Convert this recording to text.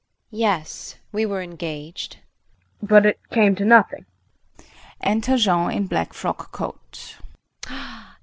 Yes, we were engaged KRISTIN. But it came to nothing. [Enter Jean in black frock coat.